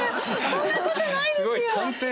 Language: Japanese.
そんな事ないですよ！